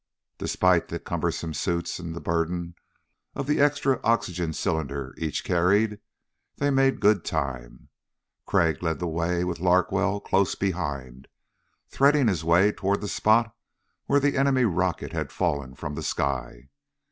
Despite the cumbersome suits and the burden of the extra oxygen cylinder each carried, they made good time. Crag led the way with Larkwell close behind, threading his way toward the spot where the enemy rocket had fallen from the sky.